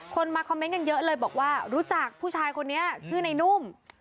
มาคอมเมนต์กันเยอะเลยบอกว่ารู้จักผู้ชายคนนี้ชื่อในนุ่ม